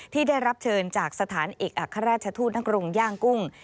ที่ได้รับเชิญจากสถานเอกอัครราชทูตนักกรุงย่างกุ้ง